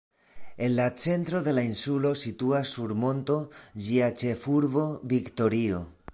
En la centro de la insulo situas sur monto ĝia ĉefurbo Viktorio.